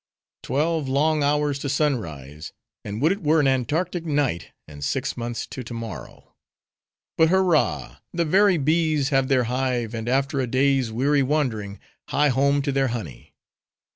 Twelve long hours to sunrise! And would it were an Antarctic night, and six months to to morrow! But, hurrah! the very bees have their hive, and after a day's weary wandering, hie home to their honey.